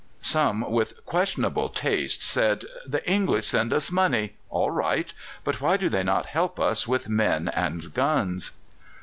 Some with questionable taste said, "The English send us money all right! but why do they not help us with men and guns?"